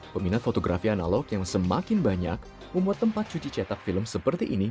peminat fotografi analog yang semakin banyak membuat tempat cuci cetak film seperti ini